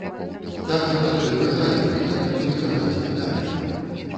Так заўсёды казалі, і так будуць казаць і далей.